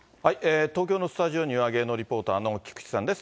東京のスタジオには、芸能リポーターの菊池さんです。